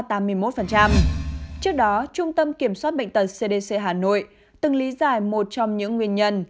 trước đó trung tâm kiểm soát bệnh tật cdc hà nội từng lý giải một trong những nguyên nhân